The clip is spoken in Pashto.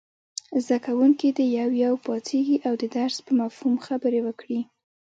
زده کوونکي دې یو یو پاڅېږي او د درس په مفهوم خبرې وکړي.